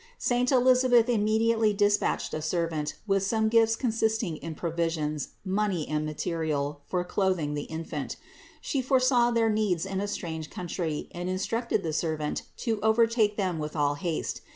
Saint Elisabeth immediately despatched a servant with some THE INCARNATION 533 gifts consisting in provisions, money and material for clothing the Infant. She foresaw their needs in a strange country and instructed the servant to overtake them with all haste.